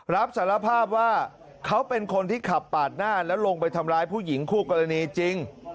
รับสารภาพว่าเขาเป็นคนที่ขับปาดหน้าแล้วลงไปทำร้ายผู้หญิงคู่กรณีจริง